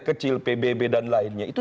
kecil pbb dan lainnya itu